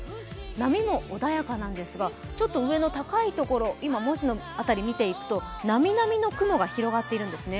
波も穏やかなんですが、ちょっと上の高いところ、今、文字の辺りを見ているとなみなみの雲が広がっているんですね。